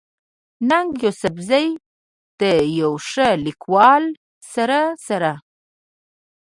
ننګ يوسفزۍ د يو ښه ليکوال سره سره